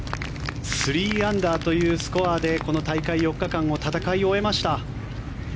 ３アンダーというスコアでこの大会４日間を戦え終えました。